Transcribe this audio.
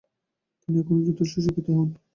তিনি এখনও যথেষ্ট শিক্ষিত নন।